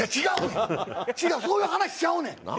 違うそういう話ちゃうねん。